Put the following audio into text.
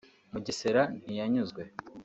Mugesera ntiyanyuzwe